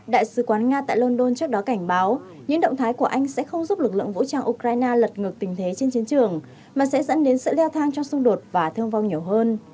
đại sứ quán nga tại london trước đó cảnh báo những động thái của anh sẽ không giúp lực lượng vũ trang ukraine lật ngược tình thế trên chiến trường mà sẽ dẫn đến sự leo thang trong xung đột và thương vong nhiều hơn